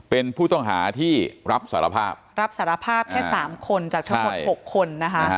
เป็นผู้ต้องหาที่รับสารภาพรับสารภาพแค่๓คนจากเฉพาะ๖คน